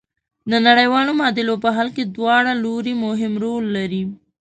د نړیوالو معادلو په حل کې دواړه لوري مهم رول لري.